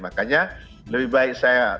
makanya lebih baik saya